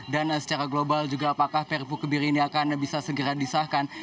dan secara global juga apakah perpu kebiri ini akan bisa segera disahkan